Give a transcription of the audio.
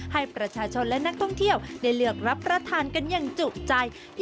ให้ประชาชนและนักท่องเที่ยวได้เลือกรับประทานกันอย่างจุใจ